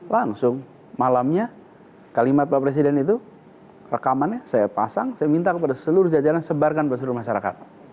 langsung malamnya kalimat pak presiden itu rekamannya saya pasang saya minta kepada seluruh jajaran sebarkan ke seluruh masyarakat